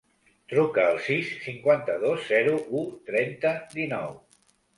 Truca al sis, cinquanta-dos, zero, u, trenta, dinou.